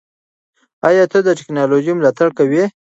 ایا ته د ټیکنالوژۍ ملاتړ کوې؟